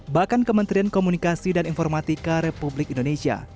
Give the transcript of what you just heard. bahkan kementerian komunikasi dan informatika republik indonesia